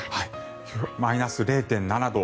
マイナス０．７度。